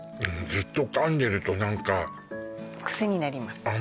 ずっとかんでると何かクセになります